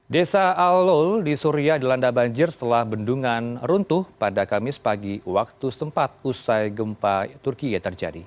desa aulul di suria dilanda banjir setelah bendungan runtuh pada kamis pagi waktu setempat usai gempa turkiye terjadi